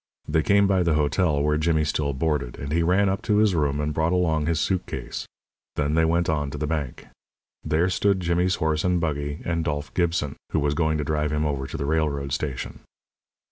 They came by the hotel where Jimmy still boarded, and he ran up to his room and brought along his suit case. Then they went on to the bank. There stood Jimmy's horse and buggy and Dolph Gibson, who was going to drive him over to the railroad station.